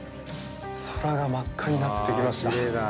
空が真っ赤になってきました。